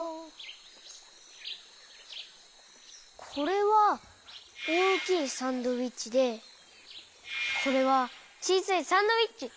これはおおきいサンドイッチでこれはちいさいサンドイッチ。